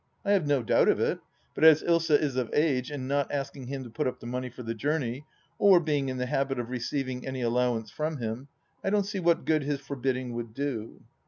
I have no doubt of it, but as Ilsa is of age and not asking him to put up the money for the journey, or being in the habit of receiving any allowance from hun, I don't see what good his forbidding would do.